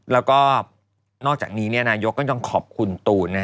แล้วก็นอกจากนี้นายกก็ยังขอบคุณตูน